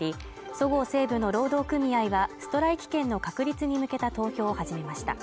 そごう・西武の労働組合はストライキ権の確立に向けた投票を始めました。